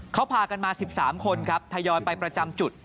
เขาพากันมา๑๓คนครับทยอยไปประจำจุด